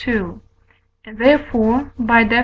therefore (by Def.